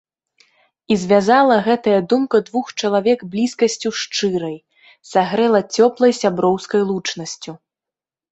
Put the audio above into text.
І звязала гэтая думка двух чалавек блізкасцю шчырай, сагрэла цёплай сяброўскай лучнасцю.